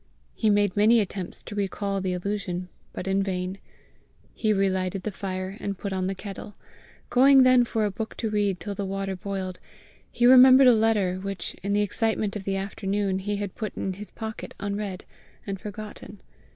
He made many attempts to recall the illusion, but in vain. He relighted the fire, and put on the kettle. Going then for a book to read till the water boiled, he remembered a letter which, in the excitement of the afternoon, he had put in his pocket unread, and forgotten.